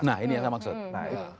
nah ini yang saya maksud